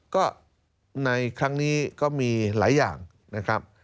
ก็ในครั้งนี้ก็มีหลายอย่างนะครับ